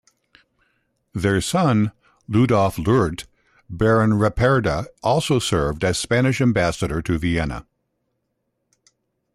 Their son, Ludolph Luirdt, Baron Ripperda also served as Spanish ambassador to Vienna.